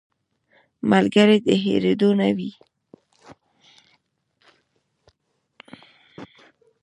ملګری د هېرېدو نه وي